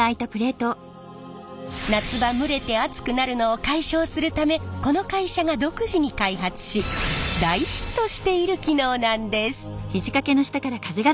夏場蒸れて暑くなるのを解消するためこの会社が独自に開発し大ヒットしている機能なんです。